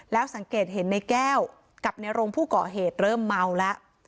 แล้วสังเกตเห็นในแก้วกับในโรงผู้ก่อเหตุเริ่มเมาแล้ว